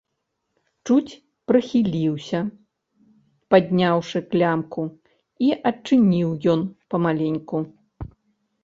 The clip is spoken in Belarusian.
Чуць прыхіліўся, падняўшы клямку, і адчыніў ён памаленьку.